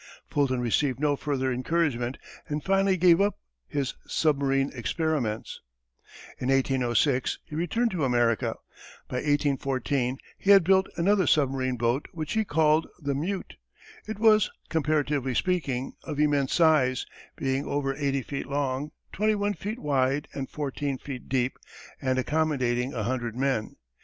Fulton received no further encouragement and finally gave up his submarine experiments. [Illustration: © U. & U. A British Seaplane with Folding Wings.] In 1806 he returned to America. By 1814 he had built another submarine boat which he called the Mute. It was, comparatively speaking, of immense size, being over eighty feet long, twenty one feet wide, and fourteen feet deep and accommodating a hundred men.